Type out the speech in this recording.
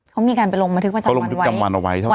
เขามีการไปลงบันทึกมาจากวันไว้เขาลงบันทึกจำวันเอาไว้เท่านั้น